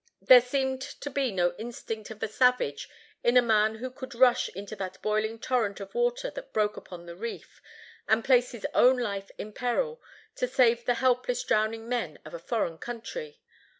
There seemed to be no instinct of the savage in a man who could rush into that boiling torrent of water that broke upon the reef, and place his own life in peril to save the helpless drowning men of a foreign country.